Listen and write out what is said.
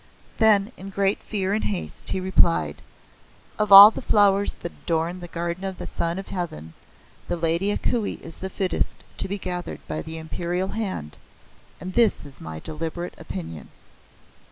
Then, in great fear and haste he replied: "Of all the flowers that adorn the garden of the Sun of Heaven, the Lady A Kuei is the fittest to be gathered by the Imperial Hand, and this is my deliberate opinion."